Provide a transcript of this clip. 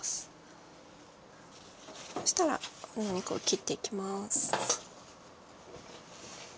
そしたらお肉を切っていきます。